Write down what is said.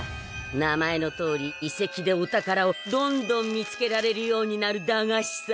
名前のとおり遺跡でお宝をどんどん見つけられるようになる駄菓子さ。